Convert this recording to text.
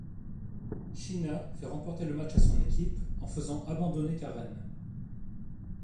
Chyna fait remporter le match à son équipe en faisant abandonner Karen.